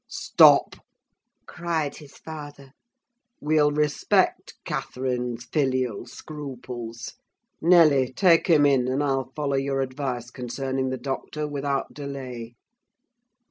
"Stop!" cried his father. "We'll respect Catherine's filial scruples. Nelly, take him in, and I'll follow your advice concerning the doctor, without delay."